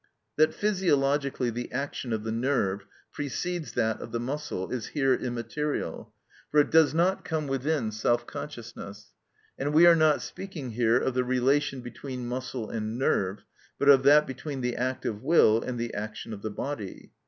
That physiologically the action of the nerve precedes that of the muscle is here immaterial, for it does not come within self consciousness; and we are not speaking here of the relation between muscle and nerve, but of that between the act of will and the action of the body.